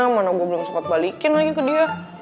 mana gue belum sempat balikin lagi ke dia